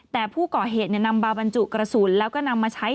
แต่ผู้ก่อเหตุนำบาบรรจุกระสุนแล้วก็นำมาใช้